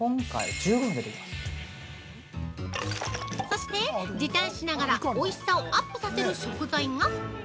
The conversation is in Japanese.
◆そして、時短しながら、おいしさをアップさせる食材が◆